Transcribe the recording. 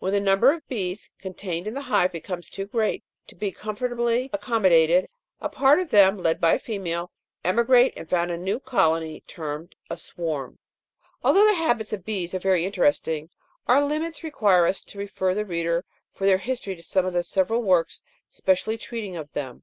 When the number of bees contained in the hive becomes too great to be comfortably accommodated, a part of them, led by a female, emigrate and found a new colony, .termed a swarm. Although the habits of bees are very interesting, our limits require us to refer the reader for their history to some of the several works specially treating of them.